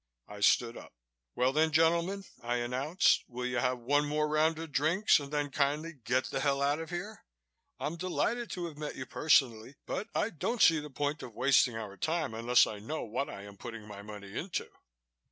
I stood up. "Well, then, gentlemen," I announced, "will you have one more round of drinks and then kindly get the hell out of here? I'm delighted to have met you personally but I don't see the point of wasting our time unless I know what I am putting my money into."